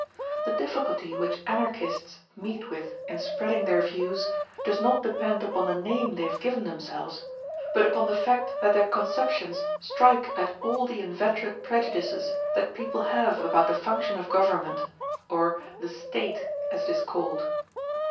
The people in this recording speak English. The difficulty which Anarchists meet with in spreading their views does not depend upon the name they have given themselves, but upon the fact that their conceptions strike at all the inveterate prejudices that people have about the function of government, or the State, as it is called.